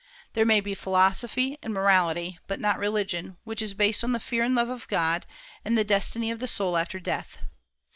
There may be philosophy and morality, but not religion, which is based on the fear and love of God, and the destiny of the soul after death.